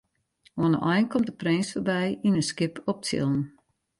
Oan de ein komt de prins foarby yn in skip op tsjillen.